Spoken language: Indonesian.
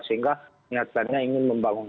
sehingga niatannya ingin membangun